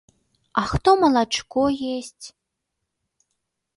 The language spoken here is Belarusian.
А хто малачко есць?